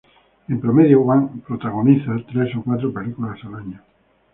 En promedio, Hwang protagoniza tres a cuatro películas al año.